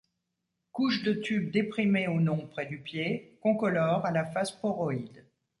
Couche de tubes déprimée ou non près du pied, concolore à la face poroïde.